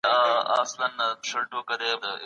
سياسي پروګرامونه کله او څنګه بايد پلي سي؟